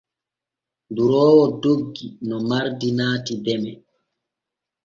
Duroowo doggi no mardi naati deme.